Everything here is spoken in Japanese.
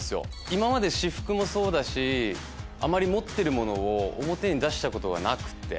今まで私服もそうだしあまり持ってるものを表に出したことがなくて。